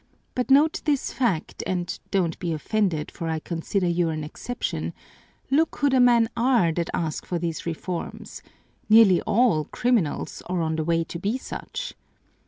But note this fact and don't be offended, for I consider you an exception look who the men are that ask for these reforms" nearly all criminals or on the way to be such!"